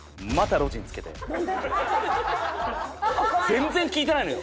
全然聞いてないのよ